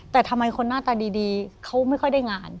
แต่ทำไมคนหน้าตาดีเขาไม่ค่อยได้งาน